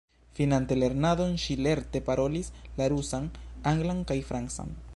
Finante lernadon ŝi lerte parolis la rusan, anglan kaj francan.